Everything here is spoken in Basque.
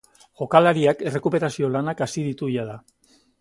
Jokalariak errekuperazio lanak hasi ditu jada.